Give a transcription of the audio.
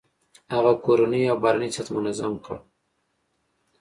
هغه کورنی او بهرنی سیاست منظم کړ.